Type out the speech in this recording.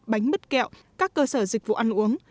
bánh mứt kẹo các cơ sở dịch vụ ăn uống